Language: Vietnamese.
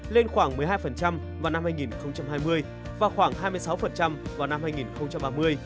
lên khoảng một mươi hai vào năm hai nghìn hai mươi và khoảng hai mươi sáu vào năm hai nghìn ba mươi